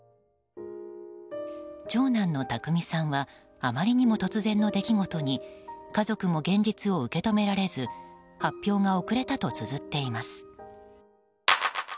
長男の匠さんはあまりにも突然の出来事に家族も現実を受け止められず発表が遅れたとつづっています。